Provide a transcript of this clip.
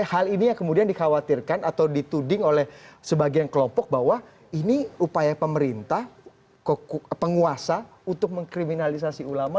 hal ini yang kemudian dikhawatirkan atau dituding oleh sebagian kelompok bahwa ini upaya pemerintah penguasa untuk mengkriminalisasi ulama